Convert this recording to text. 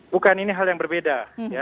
bukan ini hal yang berbeda